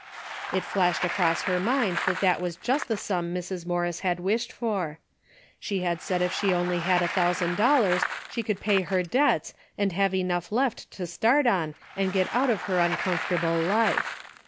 It flashed across her mind that that was just the sum Mrs. Morris had wished for. She had said if she only had a thousand dollars she could pay her debts and have enough left to start on and get out of her uncomfortable life.